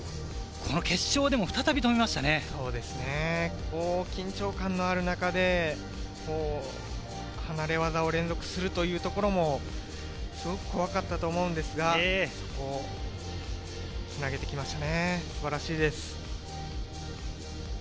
こう緊張感のある中で離れ技を連続するというところもすごく怖かったと思うんですが、そこをつなげてきましたね、素晴らしいです。